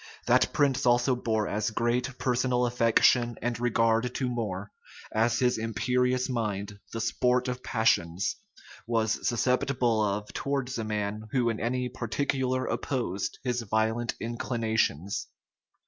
That prince also bore as great personal affection and regard to More, as his imperious mind, the sport of passions, was susceptible of towards a man who in any particular opposed his violent inclinations.